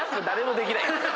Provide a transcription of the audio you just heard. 誰もできないよ。